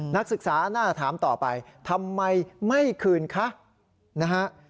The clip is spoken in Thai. นักศึกษาหน้าถามต่อไปทำไมไม่คืนคะนะฮะ